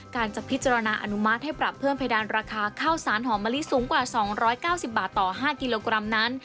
การจะพิจารณาอนุมัติให้ปรับเพิ่มเพดานราคาข้าวสารหอมมะลิสูงกว่า๒๙๐บาทต่อ๕กิโลกรัมนั้น